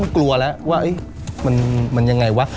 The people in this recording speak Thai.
กลัวแบบเหมือนมันยังไงวะ